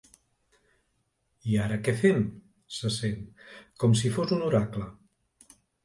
I ara què fem? —se sent, com si fos un oracle.